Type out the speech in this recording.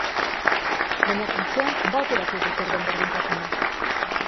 Baina, funtsean, ba ote dakigu zer den berdintasuna?